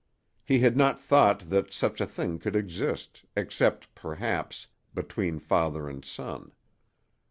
He had not thought that such a thing could exist, except, perhaps, between father and son.